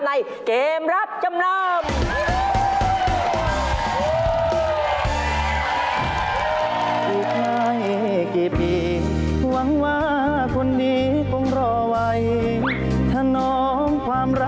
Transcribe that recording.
ในเกมรับจำนำ